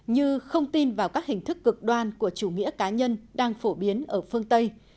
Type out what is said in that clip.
như không tin vào các hình thức cực đoan của chủ nghĩa cá nhân đang phổ biến ở phương tây